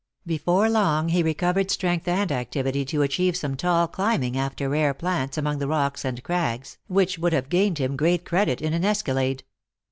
Before long he recovered strength and activity to achieve some tall climbing after rare plants among the rocks and crags, which would have gained him great credit in an escalade.